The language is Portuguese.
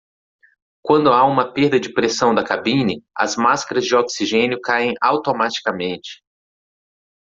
Quando há uma perda de pressão da cabine, as máscaras de oxigênio caem automaticamente.